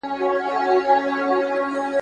په سبب د سپينو ډکو مهربان دے